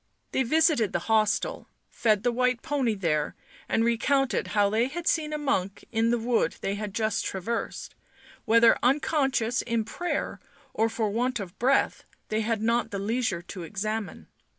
They visited the hostel, fed the white pony there and recounted how they had seen a monk in the wood they had just traversed, whether unconscious in prayer or for want of breath they had not the leisure to examine.